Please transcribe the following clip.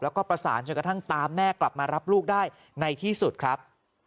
แล้วก็ประสานจนกระทั่งตามแม่กลับมารับลูกได้ในที่สุดครับ